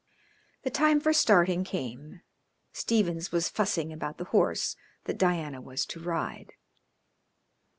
The time for starting came. Stephens was fussing about the horse that Diana was to ride.